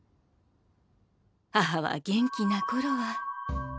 母は元気な頃は。